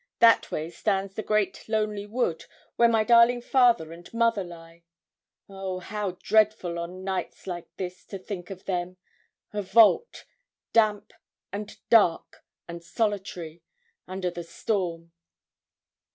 That way stands the great lonely wood, where my darling father and mother lie. Oh, how dreadful on nights like this, to think of them a vault! damp, and dark, and solitary under the storm.'